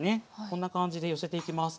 こんな感じで寄せていきます。